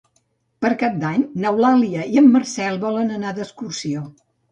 Per Cap d'Any n'Eulàlia i en Marcel volen anar d'excursió.